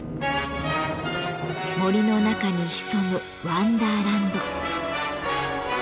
森の中に潜むワンダーランド。